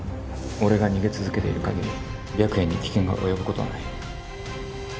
俺が逃げ続けている限り白夜に危険が及ぶことはない。